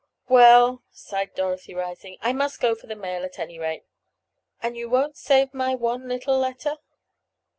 "Well," sighed Dorothy rising, "I must go for the mail at any rate." "And you won't save my one little letter?"